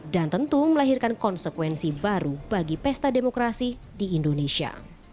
dan tentu melahirkan konsekuensi baru bagi pesta demokrasi di indonesia